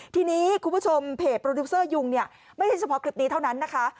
ทีนี้คุณผู้ชมเพจโปรดิวเซอร์ยุงเนี่ยไม่ใช่เฉพาะคลิปนี้เท่านั้นนะคะ